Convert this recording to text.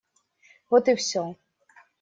Вот и все.